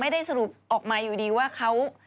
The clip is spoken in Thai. ไม่ได้สรุปออกมาอยู่ดีว่าเขา